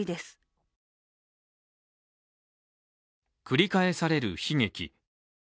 繰り返される悲劇。